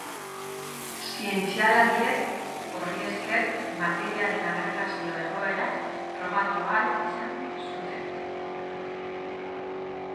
Zientzialariek, horri esker, materiaren agregazio-egoerak frogatu ahal izan zuten.